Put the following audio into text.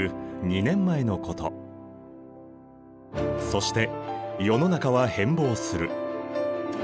そして世の中は変貌する。